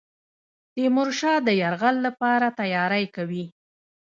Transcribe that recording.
تیمورشاه د یرغل لپاره تیاری کوي.